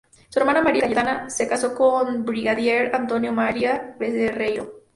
Su hermana María Cayetana se casó con el brigadier Antonio María Barreiro.